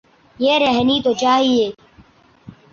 یہ رہنی تو چاہیے۔